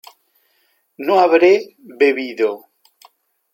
no habré bebido